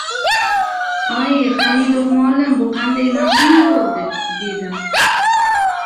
— Ay, Hamidov muallim, bu qanday mashina bo‘ldi? — dedim.